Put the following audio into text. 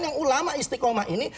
yang ulama istiqomah ini